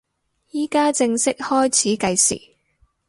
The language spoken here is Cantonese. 依家正式開始計時